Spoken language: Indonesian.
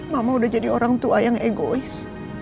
mama udah jadi orang tua yang egois